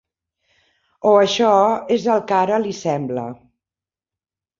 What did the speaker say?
O això és el que ara li sembla.